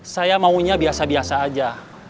saya maunya biasa biasa aja